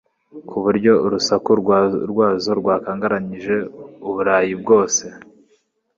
ku buryo urusaku rwazo rwakangaranyije u Burayi bwose